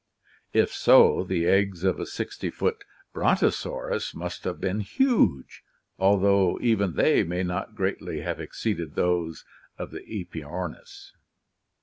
If so, the eggs of a 60 foot Brontosaurus must have been huge, although even they may not greatly have exceeded those of the aepyornis.